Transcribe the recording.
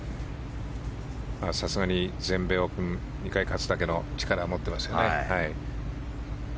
さすがに全米オープン２回勝つだけの力は持っていますよね。